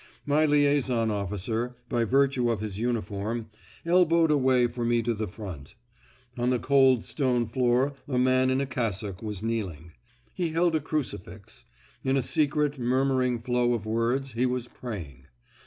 My liaison officer, by virtue of his uniform, elbowed a way for me to the front. On the cold stone floor a man in a cassock was kneeling. He held a crucifix. In a secret, murmuring flow of words he was praying.